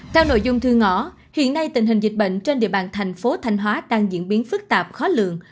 theo nội dung thư ngõ hiện nay tình hình dịch bệnh trên địa bàn thành phố thanh hóa đang diễn biến phức tạp khó lượng